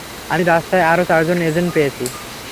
আমি রাস্তায় আরও চারজন এজেন্ট পেয়েছি।